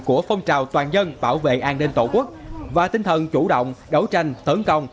của phong trào toàn dân bảo vệ an ninh tổ quốc và tinh thần chủ động đấu tranh tấn công